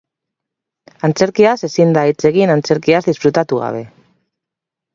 Antzerkiaz ezin da hitz egin antzerkiaz disfrutatu gabe.